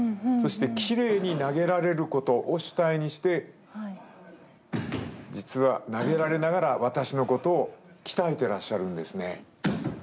そしてきれいに投げられることを主体にして実は投げられながら私のことを鍛えてらっしゃるんですね。